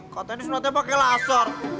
katanya disunatnya pake laser